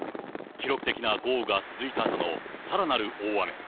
記録的な豪雨が続いたあとのさらなる大雨。